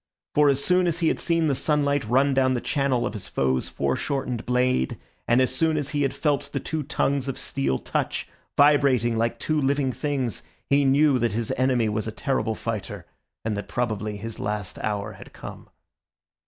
For as soon as he had seen the sunlight run down the channel of his foe's foreshortened blade, and as soon as he had felt the two tongues of steel touch, vibrating like two living things, he knew that his enemy was a terrible fighter, and that probably his last hour had come.